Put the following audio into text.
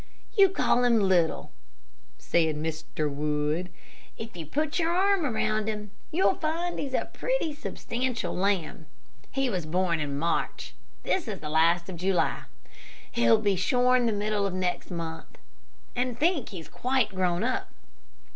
"You call him little," said Mr. Wood; "if you put your arm around him, you'll find he's a pretty substantial lamb. He was born in March. This is the last of July; he'll be shorn the middle of next month, and think he's quite grown up.